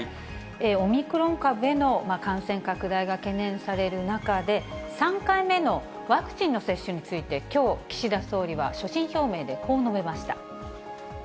オミクロン株への感染拡大が懸念される中で、３回目のワクチンの接種についてきょう、岸田総理は所信表明でこう述べました。